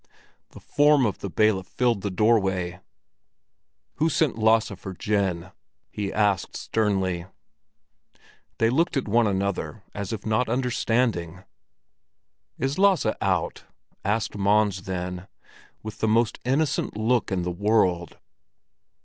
The form of the bailiff filled the doorway. "Who sent Lasse for gin?" he asked sternly. They looked at one another as if not understanding. "Is Lasse out?" asked Mons then, with the most innocent look in the world.